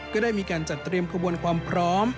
ก็ได้มีการจัดเตรียมขบวนความพร้อม